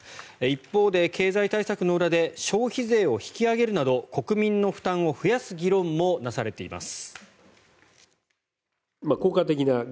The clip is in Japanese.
一方で、経済対策の裏で消費税を引き上げるなど国民の負担を増やす議論もなされています。